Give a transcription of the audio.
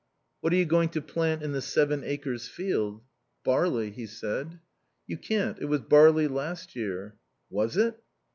"What are you going to plant in the Seven Acres field?" "Barley," he said. "You can't. It was barley last year." "Was it?"